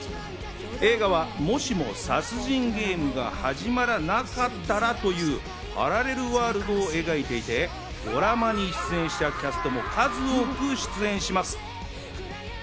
映画はもしも殺人ゲームが始まらなかったら？というパラレルワールドを描いていて、ドラマに出演したキャストも数多く出演します。